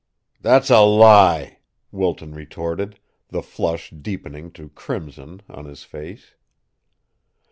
"That's a lie!" Wilton retorted, the flush deepening to crimson on his face.